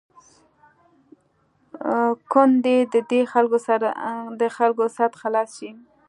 کوندي د دې خلکو سد خلاص شي.